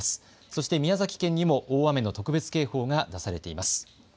そして宮崎県にも大雨の特別警報が出されています。